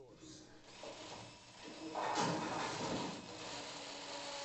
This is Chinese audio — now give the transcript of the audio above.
两个版本的演示显示关卡和图形画面不同。